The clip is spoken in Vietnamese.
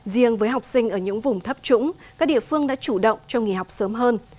riêng với học sinh ở những vùng thấp trũng các địa phương đã chủ động cho nghỉ học sớm hơn